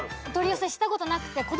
お取り寄せしたことなくて。